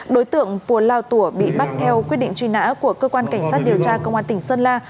đối tượng pùa lao tùa bị bắt theo quyết định truy nã của cơ quan cảnh sát điều tra công an tỉnh sơn la